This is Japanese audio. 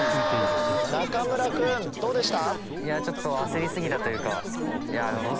中村君どうでした？